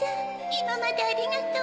いままでありがとう。